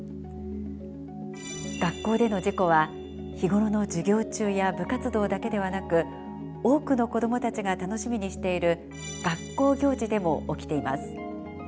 学校での事故は日頃の授業中や部活動だけではなく多くの子どもたちが楽しみにしている学校行事でも起きています。